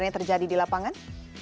terjadi di lapangan